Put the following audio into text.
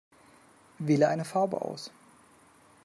Wähle eine Farbe aus.